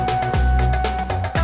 itu dia lamboknya